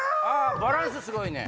バランスすごいね。